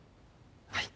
はい。